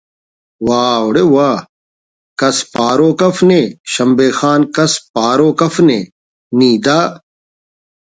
واہ اُڑے واہ……کس پاروک ءُ اف نے شمبے خان کس پاروکءُ اف نے…… نی دا